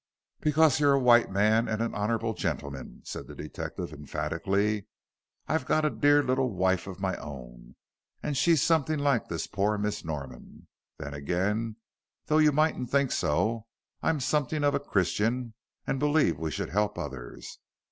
"Because you're a white man and an honorable gentleman," said the detective, emphatically. "I've got a dear little wife of my own, and she's something like this poor Miss Norman. Then again, though you mightn't think so, I'm something of a Christian, and believe we should help others.